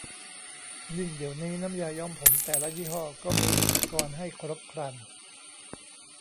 ยิ่งเดี๋ยวนี้น้ำยาย้อมผมแต่ละยี่ห้อก็มีอุปกรณ์ให้ครบครัน